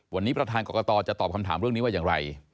วันนี้ประธานกรกตจะตอบคำถามเรื่องนี้ว่าอย่างไร